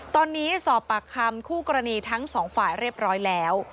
ตอนนี้สอบปากคำคู่กรณีทั้งสองฝ่ายเรียบร้อยแล้ว